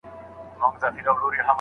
له سم ځای څخه مه تښته.